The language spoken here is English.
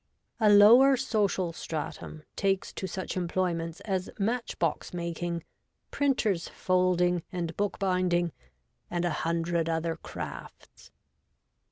A lower social stratum takes to such employments as match box making, printers' folding and bookbinding, and a hundred other crafts.